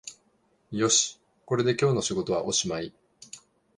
よし、これで今日の仕事はおしまい